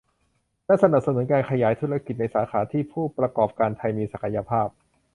และสนับสนุนการขยายธุรกิจในสาขาที่ผู้ประกอบการไทยมีศักยภาพ